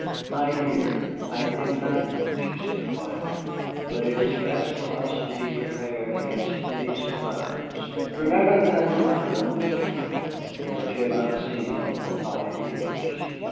"My dear, I think nothing," she said quietly; "but it is best for us to be prepared against any surprise. Remember that I do not know Mr. Temple, and that you have not seen him for five years."